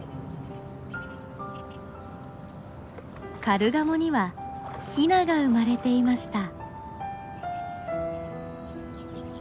カルガモにはヒナが生まれていました。